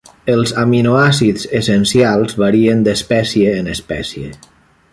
Els aminoàcids essencials varien d'espècie en espècie.